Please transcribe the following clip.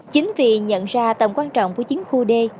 chính vì nhận ra tầm quan trọng của chiến khu d